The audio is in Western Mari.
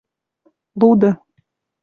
луды